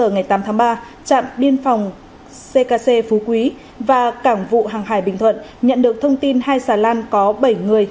ngày tám tháng ba trạm biên phòng ckc phú quý và cảng vụ hàng hải bình thuận nhận được thông tin hai xà lan có bảy người